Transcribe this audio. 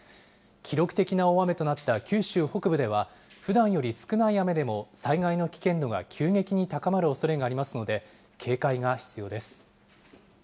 記録的な大雨となった九州北部ではふだんより少ない雨でも、災害の危険度が急激に高まるおそれがありますので、警戒が必要です。